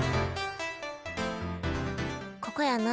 ここやな。